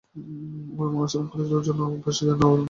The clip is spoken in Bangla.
ওর এমন আচরণ করার অভ্যাস আছে যেন ও অন্যদের বোঝে।